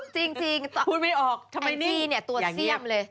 จริงตอบมาแองจีตัวเสี้ยมเลย